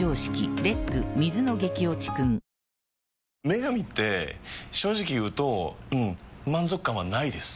「麺神」って正直言うとうん満足感はないです。